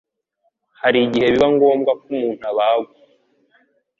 hari igihe biba ngombwa ko umuntu abagwa